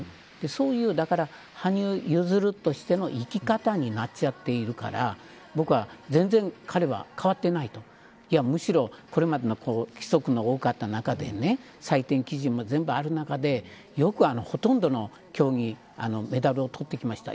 そういう羽生結弦としての生き方になっちゃっているから僕は全然、彼は変わっていないとむしろ、これまでの規則の多かった中で採点基準も全部ある中でよく、ほとんどの競技メダルを取ってきました